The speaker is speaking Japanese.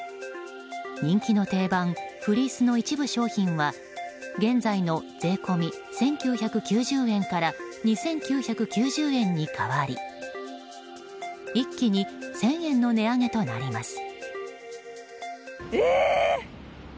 人気の定番フリースの一部商品は現在の税込み１９９０円から２９９０円に変わり一気に１０００円の値上げとなります。